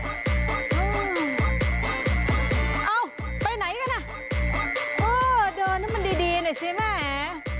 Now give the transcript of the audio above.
เอ้าไปไหนกันอ่ะเออเดินให้มันดีดีหน่อยสิแหม